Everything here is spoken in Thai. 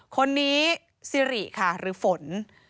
คนนี้ซิริค่ะหรือฝน